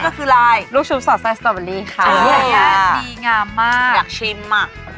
นั่นก็คือลายลูกชิบสตะบารีนะคะยอดดีงามมากอยากชิมอะ